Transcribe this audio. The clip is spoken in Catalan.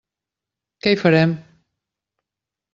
Que hi farem!